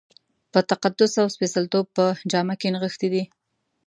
په تقدس او سپېڅلتوب په جامه کې نغښتی دی.